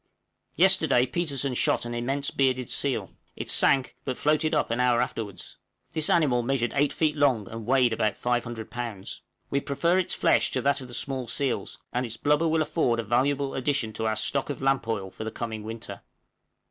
Yesterday Petersen shot an immense bearded seal; it sank, but floated up an hour afterwards. This animal measured 8 feet long, and weighed about 500 lbs. We prefer its flesh to that of the small seals, and its blubber will afford a valuable addition to our stock of lamp oil for the coming winter.